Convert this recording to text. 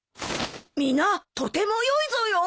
皆とてもよいぞよ！